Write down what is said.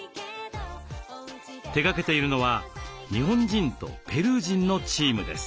手がけているのは日本人とペルー人のチームです。